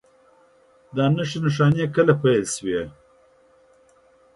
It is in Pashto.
دا نښې نښانې کله پیل شوي؟